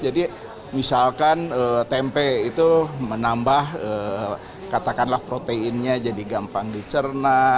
jadi misalkan tempe itu menambah katakanlah proteinnya jadi gampang dicerna